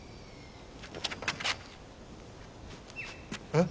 えっ！？